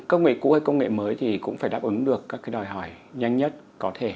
cụ hay công nghệ mới thì cũng phải đáp ứng được các cái đòi hỏi nhanh nhất có thể